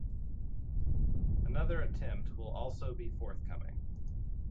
Another attempt will also be forthcoming.